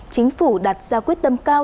chính phủ đặt ra quyết tâm cao